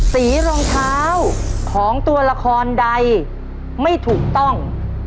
สีรองเท้าของตัวละครใดไม่ถูกต้อง